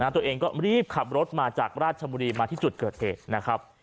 ตัวเองก็รีบขับรถมาจากราชบุรีมาที่จุดเกิดเหตุนะครับ